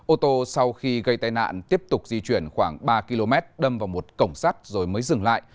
ô tô sau khi gây tai nạn tiếp tục di chuyển khoảng ba km đâm vào một cổng sắt rồi mới dừng lại